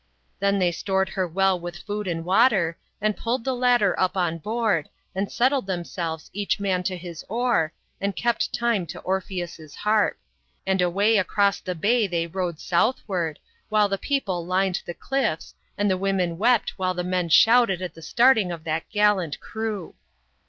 " Then they stored her well with food and water, and pulled the ladder up on board, and settled themselves each man to his o*ir, and kept time to Orpheus's harp ; and away across the b?y they rowed southward, while the people lined the cliffs, and the women wept while the men shouted at the starting of that gallant crew.